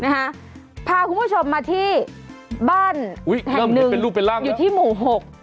นะฮะพาคุณผู้ชมมาที่บ้านแห่งหนึ่งอุ้ยเริ่มเป็นรูปเป็นร่างแล้วอยู่ที่หมู่หก